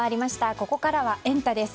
ここからはエンタ！です。